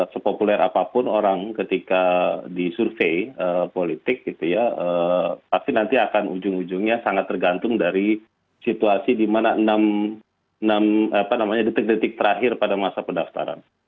sepopuler apapun orang ketika disurvey politik pasti nanti akan ujung ujungnya sangat tergantung dari situasi di mana enam detik detik terakhir pada masa pendaftaran